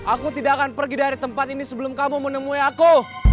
aku tidak akan pergi dari tempat ini sebelum kamu menemui aku